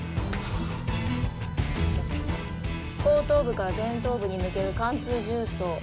後頭部から前頭部に抜ける貫通銃創。